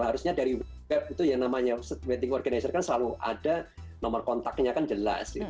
harusnya dari web itu yang namanya wedding organizer kan selalu ada nomor kontaknya kan jelas